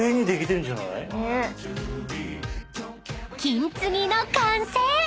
［金継ぎの完成！］